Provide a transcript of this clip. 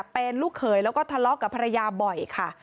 เป็นลูกเขยแล้วก็ทะเลาะกับภรรยาบ่อยค่ะ